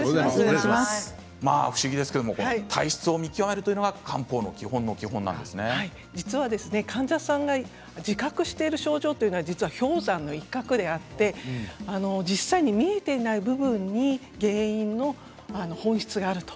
不思議ですけれど体質を見極めるということは患者さんが自覚している症状というのは氷山の一角であって実際に見えていない部分に原因の本質があると。